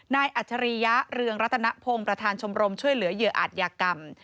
อัจฉริยะเรืองรัตนพงศ์ประธานชมรมช่วยเหลือเหยื่ออาจยากรรม